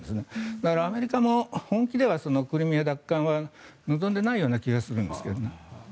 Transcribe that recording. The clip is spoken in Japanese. だから、アメリカも本気ではクリミア奪還を望んでいないような気がするんですけどね。